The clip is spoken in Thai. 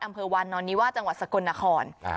อำเภอวานอนนิวาจังหวัดสกลนคร